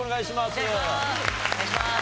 お願いします！